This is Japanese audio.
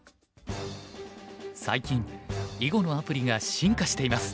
最近囲碁のアプリが進化しています。